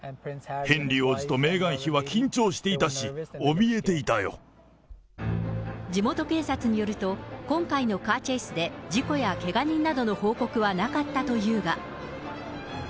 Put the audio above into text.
ヘンリー王子とメーガン妃は緊張していたし、地元警察によると、今回のカーチェイスで事故やけが人などの報告はなかったというが。